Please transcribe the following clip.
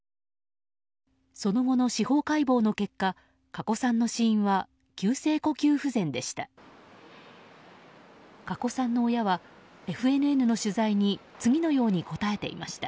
その後の司法解剖の結果加古さんの死因は急性呼吸不全でした。